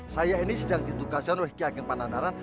saya ini sedang ditugaskan oleh ki ageng panandaran